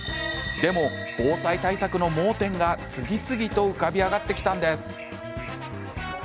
でも、防災対策の盲点が次々と浮かび上がってきたんです。